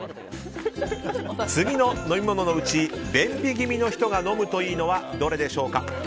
次の飲み物のうち便秘気味の人が飲むといいのはどれでしょうか？